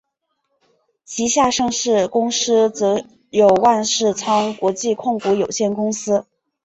旗下上市公司则有万事昌国际控股有限公司。